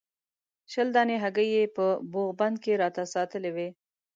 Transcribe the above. شل دانې هګۍ یې په بوغ بند کې راته ساتلې وې.